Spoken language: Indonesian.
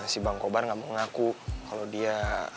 si bang kobar gak mau ngaku kalau dia